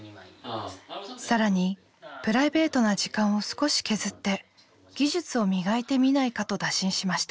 更にプライベートな時間を少し削って技術を磨いてみないかと打診しました。